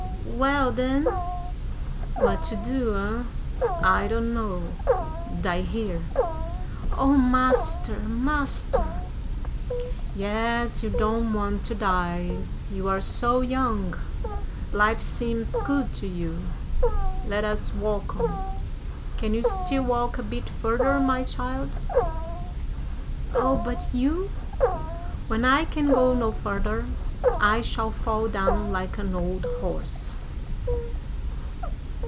"Well, then?" "What to do, eh? I don't know. Die here." "Oh, Master! Master!" "Yes, you don't want to die, you are so young. Life seems good to you. Let us walk on. Can you still walk a bit further, my child." "Oh, but you?" "When I can go no farther, I shall fall down like an old horse."